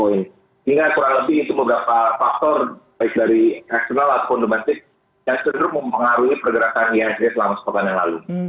ini kurang lebih beberapa faktor baik dari eksternal ataupun domestik yang sederhana mengaruhi pergerakan yang terjadi selama sepadan yang lalu